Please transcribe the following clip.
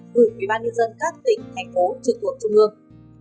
gửi ubnd các tỉnh thành phố trực cuộc chung hương